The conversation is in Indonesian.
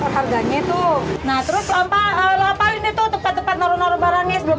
harganya tuh nah terus apa apa ini tuh tepat tepat naruh naruh barangnya sebelum